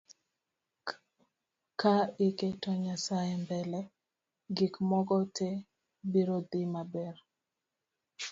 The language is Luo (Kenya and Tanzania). Ka iketo nyasae mbele , gik moko tee biro dhii maber